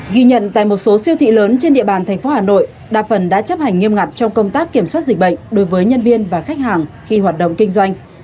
ghi nhận tại một số siêu thị lớn trên địa bàn thành phố hà nội đa phần đã chấp hành nghiêm ngặt trong công tác kiểm soát dịch bệnh đối với nhân viên và khách hàng khi hoạt động kinh doanh